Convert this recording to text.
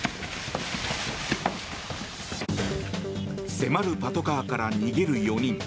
迫るパトカーから逃げる４人。